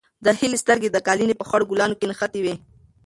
د هیلې سترګې د قالینې په خړو ګلانو کې نښتې وې.